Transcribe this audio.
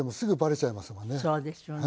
そうですよね。